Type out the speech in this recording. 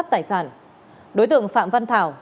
tài sản đối tượng phạm văn thảo